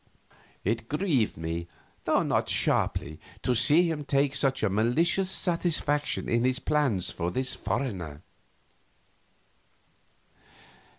It grieved me, though not sharply, to see him take such a malicious satisfaction in his plans for this foreigner.